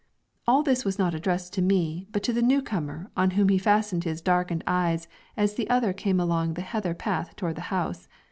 All this was not addressed to me, but to the new comer, on whom he fastened his darkened eyes as the other came along the heather path toward the house.